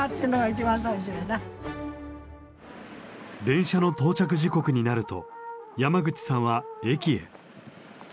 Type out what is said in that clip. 電車の到着時刻になると山口さんは駅へ。